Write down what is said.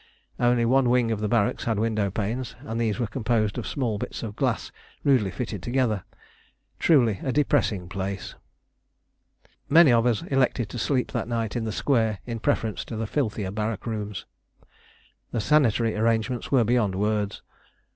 Only one wing of the barracks had window panes, and these were composed of small bits of glass rudely fitted together. Truly a depressing place. Many of us elected to sleep that night in the square in preference to the filthier barrack rooms. The sanitary arrangements were beyond words.